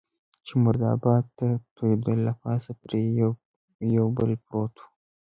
چې مرداب ته توېېدل، له پاسه پرې یو پل پروت و.